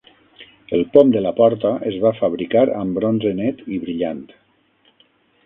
El pom de la porta es va fabricar amb bronze net i brillant.